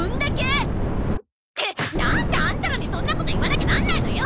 ってなんでアンタらにそんなこと言わなきゃなんないのよ！